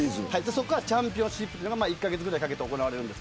そこからチャンピオンシップが１カ月ぐらいかけてあります。